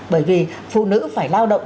bởi vì phụ nữ phải lao động